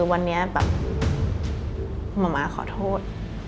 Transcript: วันนี้แบบหมอม้าขอโทษ